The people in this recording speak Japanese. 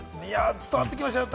伝わってきましたよ。